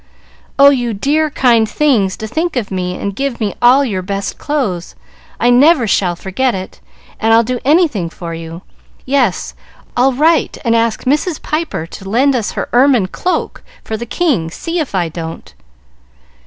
"Oh, you dear, kind things, to think of me and give me all your best clothes! I never shall forget it, and I'll do anything for you. Yes! I'll write and ask Mrs. Piper to lend us her ermine cloak for the king. See if I don't!"